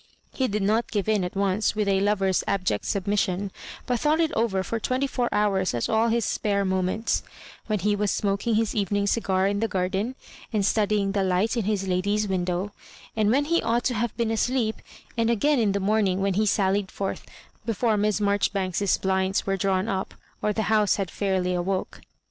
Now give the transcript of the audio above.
He did not give in at once with a lover's abject submission, but thought it over for twenty four hours at all his spare moments, — ^when he was smoking his even ing cigar in the garden, and studying the light in his lady's window — and when he ought to have been asleep, and a^in in the morning when he sallied forth, before Miss Marjoribanks's blinds were drawn up or the house had fairly awoke.